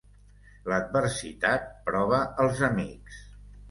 L'adversitat prova els amics